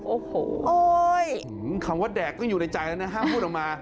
โอ้โหคำว่าแดกก็อยู่ในใจแล้วนะห้ามพูดออกมา